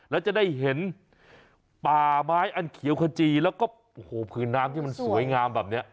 แล้วจะได้เห็นป่าไม้อันเขียวขจีแล้วก็โอ้โหผืนน้ำที่มันสวยงามแบบนี้